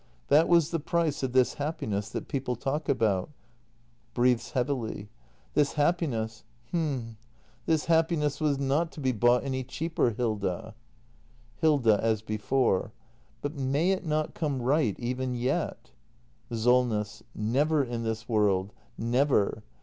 ] That was the price of this happiness that people talk about. [Breathes heavily.] This hap act ii] THE MASTER BUILDER 351 piness — h'm — this happiness was not to be bought any cheaper, Hilda. Hilda. [.4s before.] But may it not come right even yet ? SOLNESS. Never in this world — never.